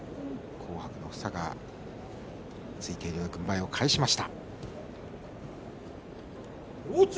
紅白の房がついている軍配を返しました。